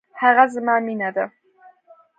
هغه زما مینه ده